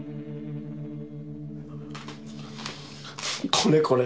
これこれ。